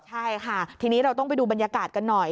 ใช่ค่ะทีนี้เราต้องไปดูบรรยากาศกันหน่อย